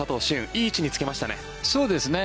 いい位置につけましたね。